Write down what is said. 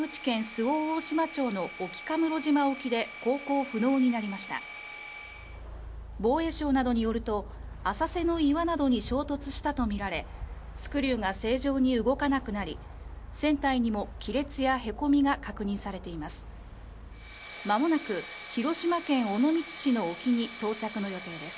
防衛省などによると、浅瀬の岩などに衝突したとみられ、スクリューが正常に動かなくなり船体にも亀裂やへこみが確認されています。